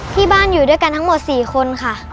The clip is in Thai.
ที่บ้านอยู่ด้วยกันทั้งหมด๔คนค่ะ